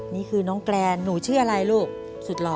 นี่คือน้องแกรนหนูชื่ออะไรลูกสุดหล่อ